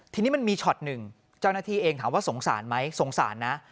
ทีนี้มันมีช็อตหนึ่งเจ้าหน้าที่เองถามว่าสงสารไหมสงสารนะ